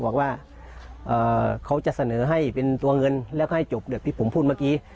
บอกว่าเขาจะเสนอให้เป็นตัวเงินแล้วก็ให้จบแบบที่ผมพูดเมื่อกี้